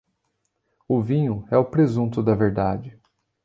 O vinho é o presunto da verdade.